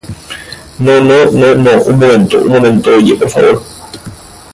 ¡ No, no, no, no, un momento! Un momento. oye. ¡ por favor!